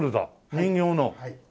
人形の。